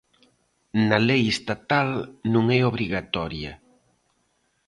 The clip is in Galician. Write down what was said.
Na lei estatal non e obrigatoria.